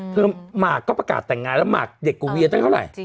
หมากก็ประกาศแต่งงานแล้วหมากเด็กกว่าเวียตั้งเท่าไหร่